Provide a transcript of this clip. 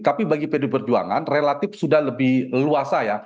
tapi bagi pd perjuangan relatif sudah lebih luas ya